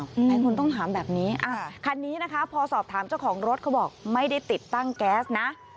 หลายคนต้องถามแบบนี้คันนี้นะคะพอสอบถามเจ้าของรถเขาบอกไม่ได้ติดตั้งแก๊สนะ